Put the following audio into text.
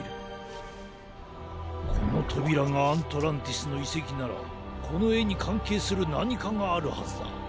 このとびらがアントランティスのいせきならこのえにかんけいするなにかがあるはずだ。